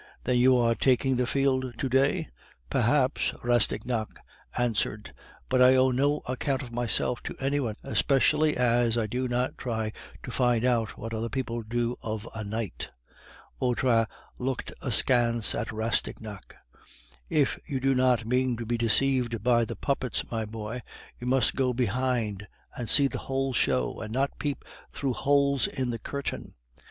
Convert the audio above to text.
"Then you are taking the field to day?" "Perhaps," Rastignac answered. "But I owe no account of myself to any one, especially as I do not try to find out what other people do of a night." Vautrin looked askance at Rastignac. "If you do not mean to be deceived by the puppets, my boy, you must go behind and see the whole show, and not peep through holes in the curtain.